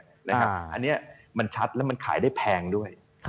อันนี้มันชัดแล้วมันขายได้แพงด้วย